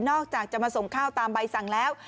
อกจากจะมาส่งข้าวตามใบสั่งแล้ว